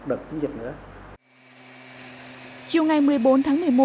chiều ngày một mươi tháng một mươi một bà rịa vũng tàu đã xác định bệnh nhân này dương tính với virus zika